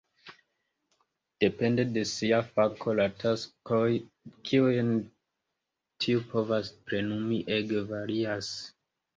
Depende de sia fako, la taskoj kiujn tiu povas plenumi ege varias.